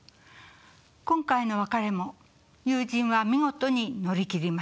今回の別れも友人は見事に乗り切りました。